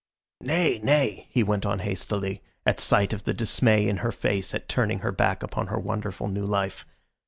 "Nay, nay," he went on hastily, at sight of the dismay in her face at turning her back upon her wonderful new life.